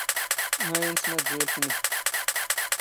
ⵀⴰ ⴷ ⴰⵏⵙⵎⴰⴷⴷⵓ ⵉⵍⴽⵎ ⴷ!